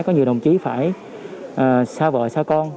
có nhiều đồng chí phải xa vợ xa con